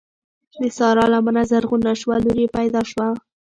د سارا لمنه زرغونه شوه؛ لور يې پیدا شوه.